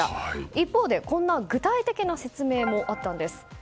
一方でこんな具体的な説明もあったんです。